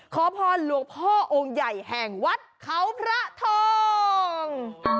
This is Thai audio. ขอพรหลวงพ่อองค์ใหญ่แห่งวัดเขาพระทอง